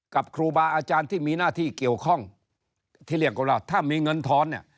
ครูบาอาจารย์ที่มีหน้าที่เกี่ยวข้องที่เรียกกันว่าถ้ามีเงินทอนเนี่ย